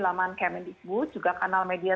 laman kemendikbud juga kanal media